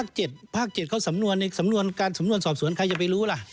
ภาค๗เขาสำนวนในสำนวนการสำนวนสอบสวนใครจะไปรู้ล่ะ